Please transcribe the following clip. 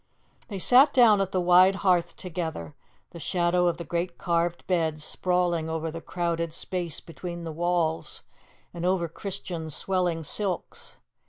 They sat down at the wide hearth together, the shadow of the great carved bed sprawling over the crowded space between the walls and over Christian's swelling silks.